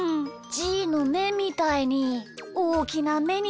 じーのめみたいにおおきなめになりたかったから。